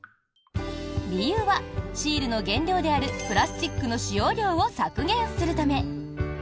理由は、シールの原料であるプラスチックの使用量を削減するため。